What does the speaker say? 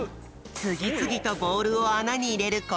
つぎつぎとボールをあなにいれるこたろうくん。